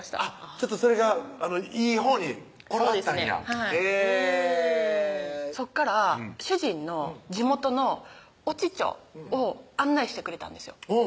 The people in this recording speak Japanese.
ちょっとそれがいいほうに転がったんやはいへぇそこから主人の地元の越知町を案内してくれたんですよ